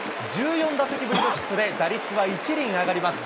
１４打席ぶりのヒットで、打率は１厘上がります。